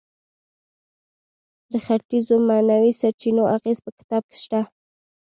د ختیځو معنوي سرچینو اغیز په کتاب کې شته.